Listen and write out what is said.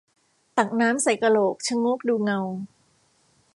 ตักน้ำใส่กะโหลก ชะโงกดูเงา